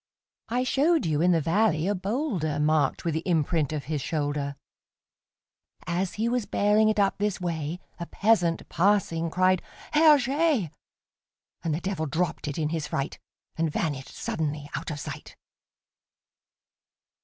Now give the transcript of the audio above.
I showed you in the valley a boulderMarked with the imprint of his shoulder; As he was bearing it up this way,A peasant, passing, cried, "Herr Jé!"And the Devil dropped it in his fright, And vanished suddenly out of sight!